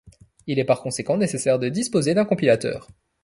Il est par conséquent nécessaire de disposer d'un compilateur.